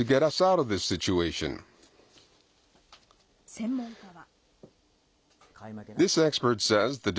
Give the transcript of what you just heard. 専門家は。